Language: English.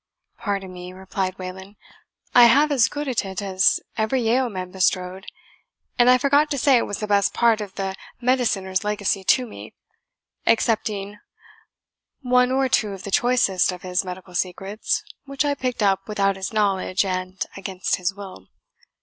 "Pardon me," replied Wayland; "I have as good a tit as ever yeoman bestrode; and I forgot to say it was the best part of the mediciner's legacy to me, excepting one or two of the choicest of his medical secrets, which I picked up without his knowledge and against his will."